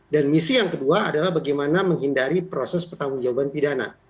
dan misi yang kedua adalah bagaimana menghindari proses pertanggung jawaban pidana